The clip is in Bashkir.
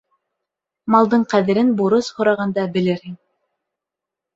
Малдың ҡәҙерен бурыс һорағанда белерһең.